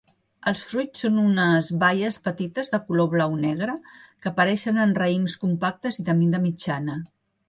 Els fruits són unes baies petites de color blau-negre, que apareixen en raïms compactes i de mida mitjana.